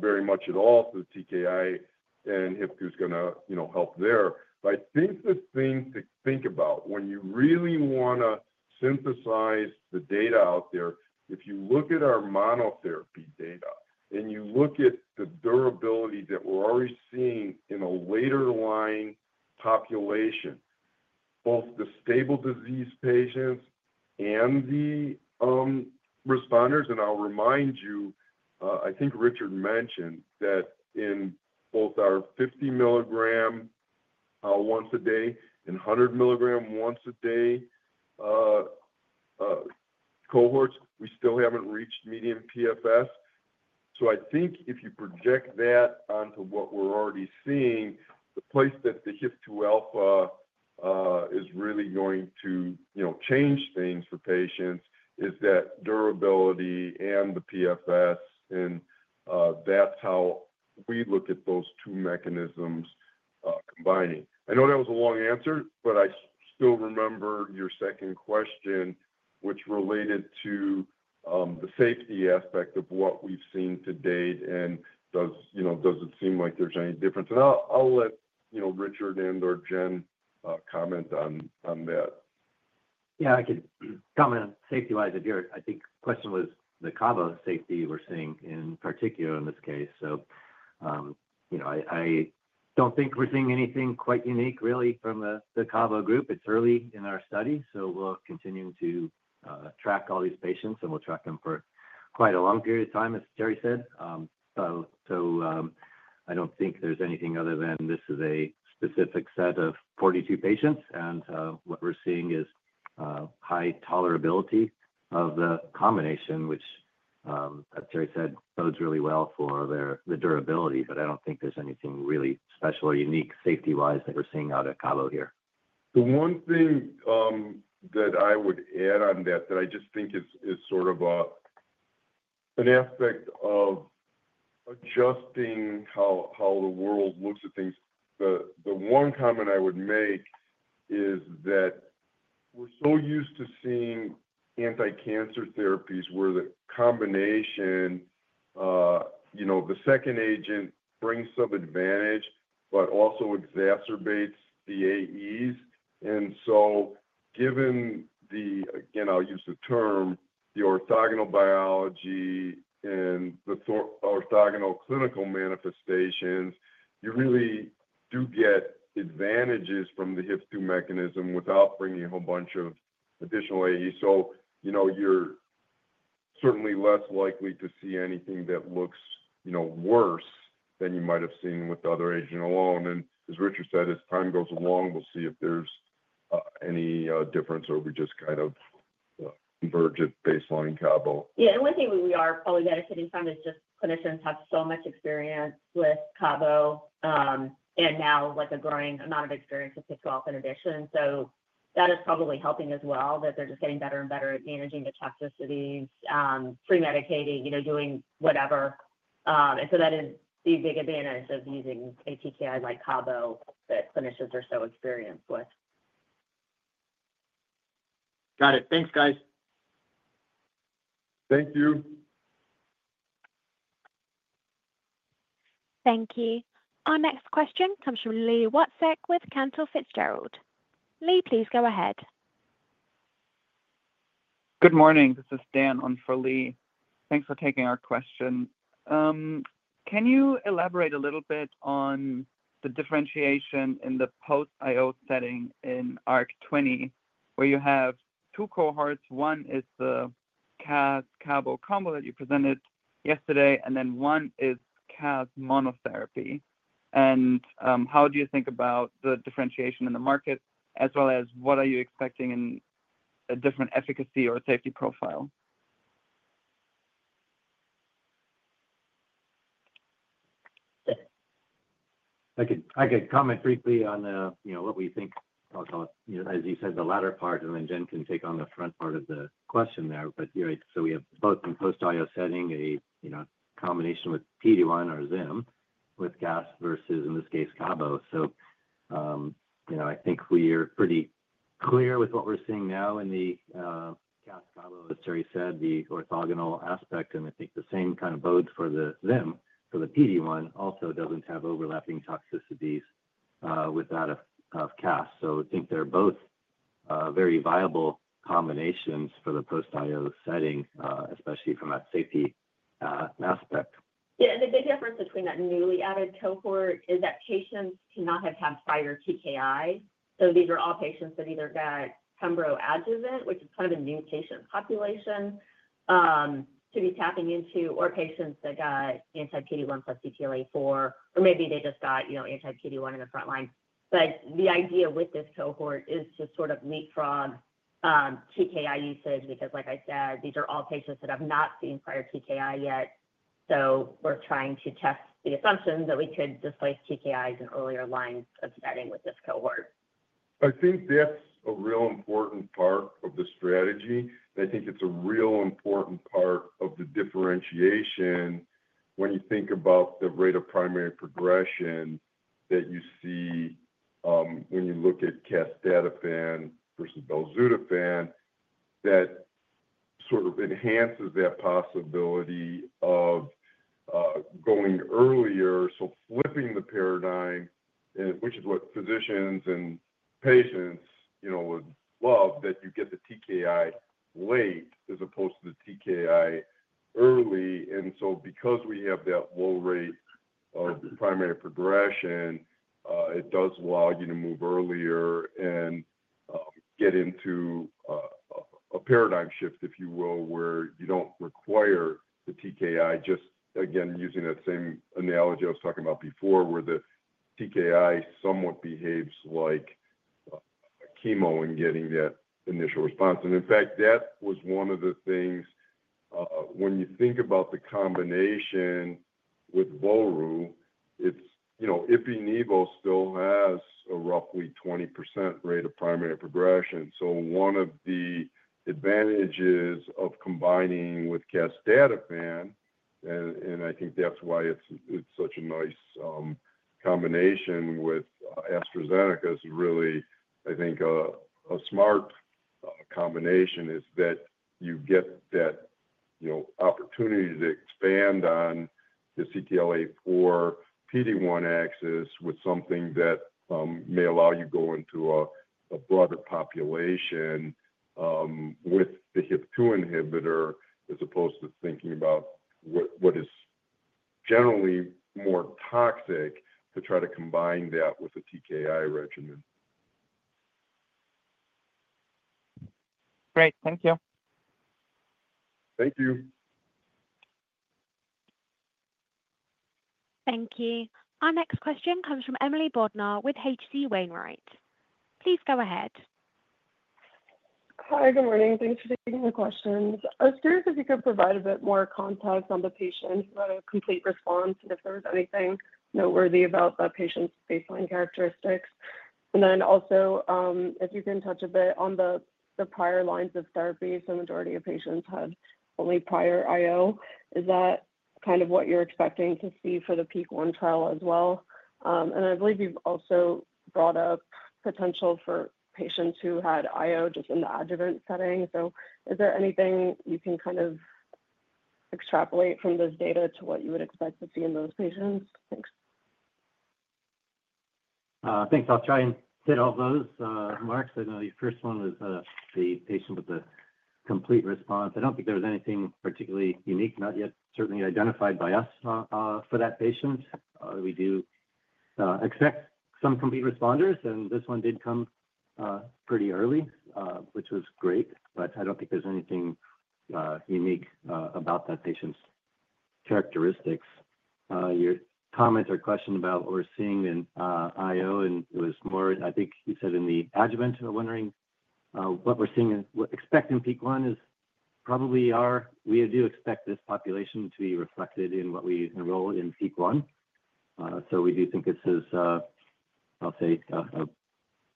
very much at all to the TKI, and HIF-2 is going to help there. I think the thing to think about when you really want to synthesize the data out there, if you look at our monotherapy data and you look at the durability that we are already seeing in a later line population, both the stable disease patients and the responders. I will remind you, I think Richard mentioned that in both our 50 milligram once a day and 100 milligram once a day cohorts, we still have not reached median PFS. I think if you project that onto what we are already seeing, the place that the HIF-2 alpha is really going to change things for patients is that durability and the PFS. That is how we look at those two mechanisms combining. I know that was a long answer, but I still remember your second question, which related to the safety aspect of what we've seen to date. Does it seem like there's any difference? I'll let Richard and/or Jen comment on that. Yeah. I can comment on safety-wise if you're—I think the question was the Cabo safety we're seeing in particular in this case. I don't think we're seeing anything quite unique, really, from the Cabo group. It's early in our study. We'll continue to track all these patients, and we'll track them for quite a long period of time, as Terry said. I don't think there's anything other than this is a specific set of 42 patients. What we're seeing is high tolerability of the combination, which, as Terry said, bodes really well for the durability. I don't think there's anything really special or unique safety-wise that we're seeing out of Cabo here. The one thing that I would add on that that I just think is sort of an aspect of adjusting how the world looks at things, the one comment I would make is that we're so used to seeing anti-cancer therapies where the combination, the second agent brings some advantage, but also exacerbates the AEs. Given the, again, I'll use the term, the orthogonal biology and the orthogonal clinical manifestations, you really do get advantages from the HIF-2 mechanism without bringing a whole bunch of additional AEs. You're certainly less likely to see anything that looks worse than you might have seen with the other agent alone. As Richard said, as time goes along, we'll see if there's any difference or we just kind of converge at baseline Cabo. Yeah. One thing we are probably benefiting from is just clinicians have so much experience with Cabo and now a growing amount of experience with HIF-2α inhibition. That is probably helping as well, that they're just getting better and better at managing the toxicities, premedicating, doing whatever. That is the big advantage of using a TKI like Cabo that clinicians are so experienced with. Got it. Thanks, guys. Thank you. Thank you. Our next question comes from Lee Wotzek with Cantor Fitzgerald. Lee, please go ahead. Good morning. This is Dan on for Lee. Thanks for taking our question. Can you elaborate a little bit on the differentiation in the post-IO setting in ARC-20, where you have two cohorts? One is the CAS Cabo combo that you presented yesterday, and then one is CAS monotherapy. How do you think about the differentiation in the market, as well as what are you expecting in a different efficacy or safety profile? I can comment briefly on what we think, as you said, the latter part. Jen can take on the front part of the question there. We have both in post-IO setting, a combination with PD-1 or ZIM with CAS versus, in this case, Cabo. I think we are pretty clear with what we're seeing now in the CAS-Cabo, as Terry said, the orthogonal aspect. I think the same kind of bodes for the ZIM, for the PD-1, also does not have overlapping toxicities without a CAS. I think they are both very viable combinations for the post-IO setting, especially from that safety aspect. Yeah. The big difference between that newly added cohort is that patients cannot have had prior TKI. These are all patients that either got Pembro adjuvant, which is kind of a new patient population to be tapping into, or patients that got anti-PD-1 plus CTLA-4, or maybe they just got anti-PD-1 in the front line. The idea with this cohort is to sort of leapfrog TKI usage because, like I said, these are all patients that have not seen prior TKI yet. We are trying to test the assumption that we could displace TKIs in earlier lines of setting with this cohort. I think that is a real important part of the strategy. I think it's a real important part of the differentiation when you think about the rate of primary progression that you see when you look at casdatifan versus belzutifan, that sort of enhances that possibility of going earlier. Flipping the paradigm, which is what physicians and patients would love, you get the TKI late as opposed to the TKI early. Because we have that low rate of primary progression, it does allow you to move earlier and get into a paradigm shift, if you will, where you don't require the TKI, just again, using that same analogy I was talking about before, where the TKI somewhat behaves like chemo in getting that initial response. In fact, that was one of the things when you think about the combination with volru, it's IpiNevo still has a roughly 20% rate of primary progression. One of the advantages of combining with casdatifan, and I think that's why it's such a nice combination with AstraZeneca, is really, I think, a smart combination, is that you get that opportunity to expand on the CTLA-4 PD-1 axis with something that may allow you to go into a broader population with the HIF-2α inhibitor as opposed to thinking about what is generally more toxic to try to combine that with a TKI regimen. Great. Thank you. Thank you. Thank you. Our next question comes from Emily Bodnar with H.C. Wainwright. Please go ahead. Hi. Good morning. Thanks for taking the questions. I was curious if you could provide a bit more context on the patient who had a complete response and if there was anything noteworthy about the patient's baseline characteristics. Also, if you can touch a bit on the prior lines of therapy. The majority of patients had only prior IO. Is that kind of what you're expecting to see for the PEAK-1 trial as well? I believe you've also brought up potential for patients who had IO just in the adjuvant setting. Is there anything you can kind of extrapolate from this data to what you would expect to see in those patients? Thanks. I'll try and hit all those marks. I know your first one was the patient with the complete response. I don't think there was anything particularly unique, not yet certainly identified by us for that patient. We do expect some complete responders. This one did come pretty early, which was great. I don't think there's anything unique about that patient's characteristics. Your comments or question about what we're seeing in IO, and it was more, I think you said in the adjuvant, are wondering what we're seeing and expecting PEAK-1 is probably our, we do expect this population to be reflected in what we enroll in PEAK-1. We do think this is, I'll say,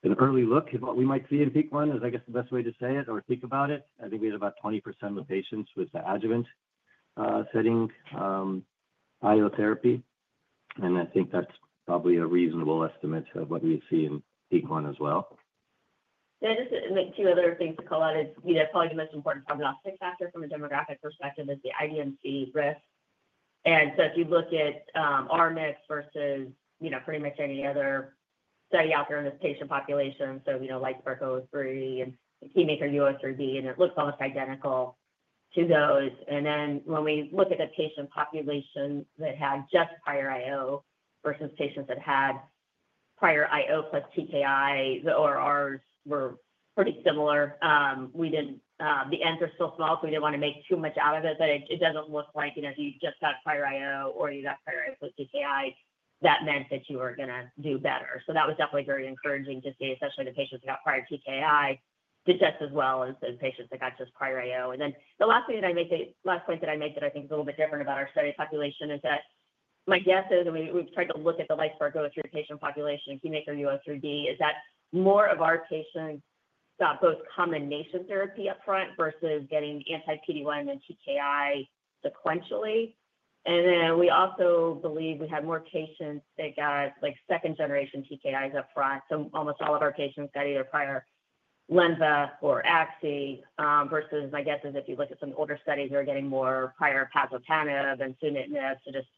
an early look at what we might see in PEAK-1 is, I guess, the best way to say it or think about it. I think we had about 20% of the patients with the adjuvant setting IO therapy. I think that's probably a reasonable estimate of what we see in PEAK-1 as well. Yeah. Just two other things to call out. It's probably the most important prognostic factor from a demographic perspective is the IMDC risk. If you look at our mix versus pretty much any other study out there in this patient population, like Berkow III and KEYMAKER U03B, it looks almost identical to those. When we look at the patient population that had just prior IO versus patients that had prior IO plus TKI, the ORRs were pretty similar. The ends are still small, so we did not want to make too much out of it. It does not look like if you just got prior IO or you got prior IO plus TKI, that meant you were going to do better. That was definitely very encouraging to see, especially the patients that got prior TKI did just as well as the patients that got just prior IO. The last point that I make that I think is a little bit different about our study population is that my guess is, and we've tried to look at the like Berkow III patient population and KEYMAKER U03B, is that more of our patients got both combination therapy upfront versus getting anti-PD-1 and TKI sequentially. We also believe we had more patients that got second-generation TKIs upfront. Almost all of our patients got either prior Lenva or AXI versus my guess is if you look at some older studies, they were getting more prior Pazopanib and Sunitinib, just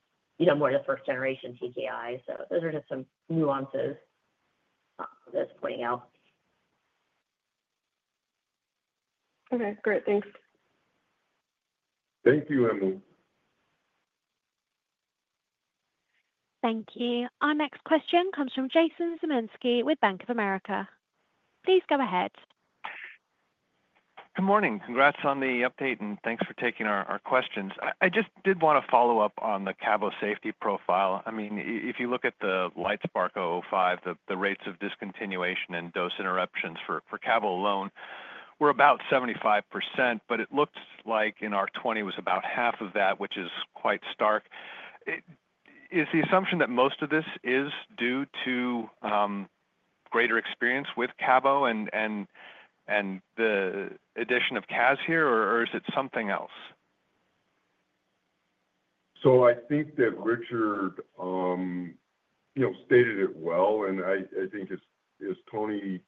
more of the first-generation TKI. Those are just some nuances that I was pointing out. Okay. Great. Thanks. Thank you, Emily. Thank you. Our next question comes from Jason Zemansky with Bank of America. Please go ahead. Good morning. Congrats on the update, and thanks for taking our questions. I just did want to follow up on the Cabo safety profile. I mean, if you look at the lights Berkow 05, the rates of discontinuation and dose interruptions for Cabo alone were about 75%. It looks like in ARC-20, it was about half of that, which is quite stark. Is the assumption that most of this is due to greater experience with Cabo and the addition of CAS here, or is it something else? I think that Richard stated it well. I think, as Tony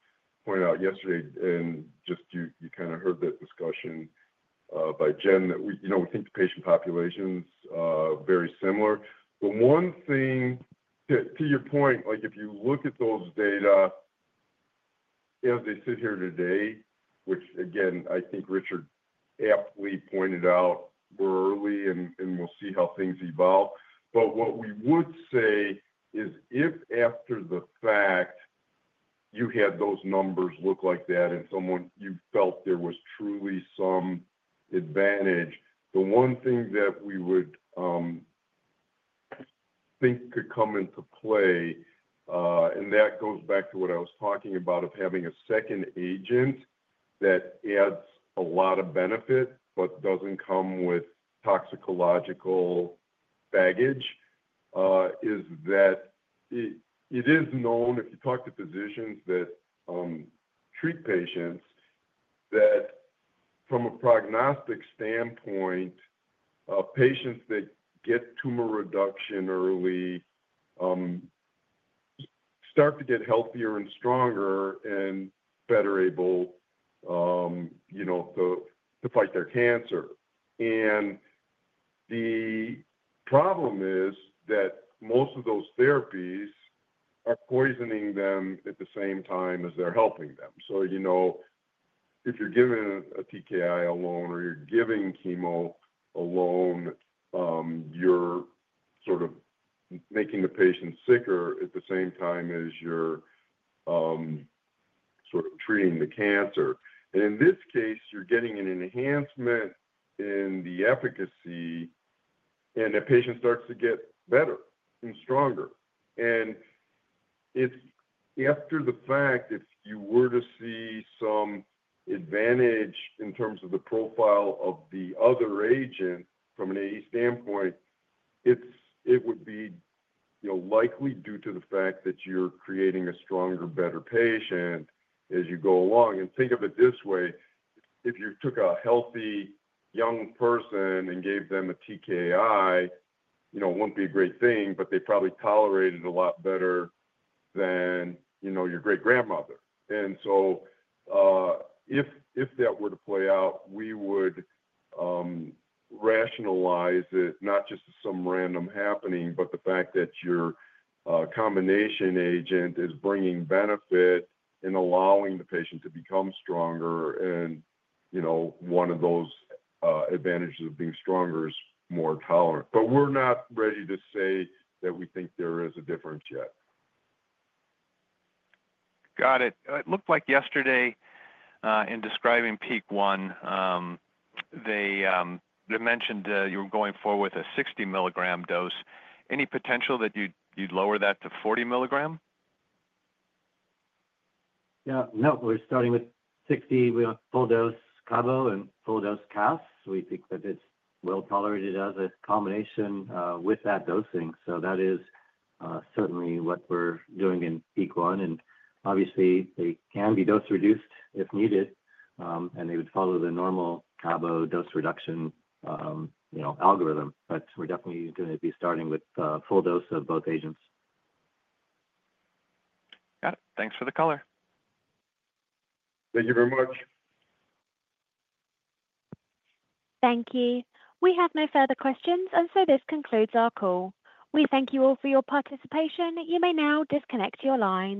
pointed out yesterday, and just you kind of heard that discussion by Jen, that we think the patient populations are very similar. One thing, to your point, if you look at those data as they sit here today, which, again, I think Richard aptly pointed out, we're early, and we'll see how things evolve. What we would say is, if after the fact you had those numbers look like that and you felt there was truly some advantage, the one thing that we would think could come into play, and that goes back to what I was talking about of having a second agent that adds a lot of benefit but doesn't come with toxicological baggage, is that it is known, if you talk to physicians that treat patients, that from a prognostic standpoint, patients that get tumor reduction early start to get healthier and stronger and better able to fight their cancer. The problem is that most of those therapies are poisoning them at the same time as they're helping them. If you're giving a TKI alone or you're giving chemo alone, you're sort of making the patient sicker at the same time as you're sort of treating the cancer. In this case, you're getting an enhancement in the efficacy, and the patient starts to get better and stronger. After the fact, if you were to see some advantage in terms of the profile of the other agent from an AE standpoint, it would be likely due to the fact that you're creating a stronger, better patient as you go along. Think of it this way. If you took a healthy young person and gave them a TKI, it wouldn't be a great thing, but they probably tolerated it a lot better than your great-grandmother. If that were to play out, we would rationalize it, not just as some random happening, but the fact that your combination agent is bringing benefit and allowing the patient to become stronger. One of those advantages of being stronger is more tolerant. We are not ready to say that we think there is a difference yet. Got it. It looked like yesterday, in describing PEAK-1, they mentioned you were going forward with a 60 milligram dose. Any potential that you would lower that to 40 milligram? Yeah. No, we are starting with 60, full dose Cabo and full dose CAS. We think that it is well tolerated as a combination with that dosing. That is certainly what we are doing in PEAK-1. Obviously, they can be dose-reduced if needed, and they would follow the normal Cabo dose reduction algorithm. We are definitely going to be starting with full dose of both agents. Got it. Thanks for the color. Thank you very much. Thank you. We have no further questions. This concludes our call. We thank you all for your participation. You may now disconnect your line.